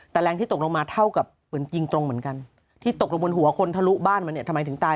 แต่แรงที่ตกลงมาเท่ากับเหมือนยิงตรงเหมือนกันที่ตกลงบนหัวคนทะลุบ้านมาเนี่ยทำไมถึงตาย